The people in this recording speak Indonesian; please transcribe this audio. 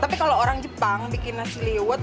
tapi kalau orang jepang bikin nasi liwet